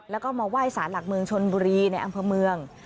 แล้วก็มาไหว้สารหลักเมืองชนบุรีในอำเภอเมือง